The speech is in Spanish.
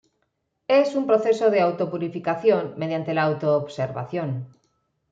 Es un proceso de auto-purificación mediante la auto-observación.